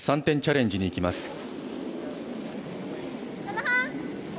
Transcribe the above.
３点チャレンジにいきます。